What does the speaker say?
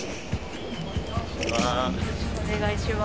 よろしくお願いします。